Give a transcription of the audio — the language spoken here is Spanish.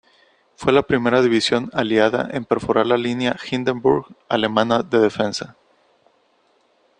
Fue la primera división aliada en perforar la línea Hindenburg alemana de defensa.